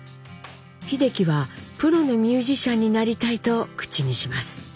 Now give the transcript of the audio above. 秀樹は「プロのミュージシャンになりたい」と口にします。